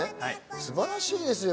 素晴らしいですよ。